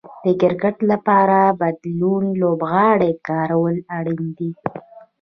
د کرکټ لپاره د بديلو لوبغاړو کارول اړين دي.